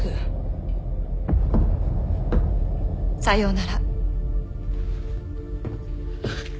さようなら。